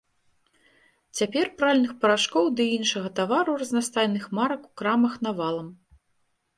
Цяпер пральных парашкоў ды і іншага тавару разнастайных марак у крамах навалам.